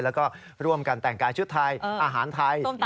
แล้วก็ร่วมกันแต่งกายชุดไทยอาหารไทย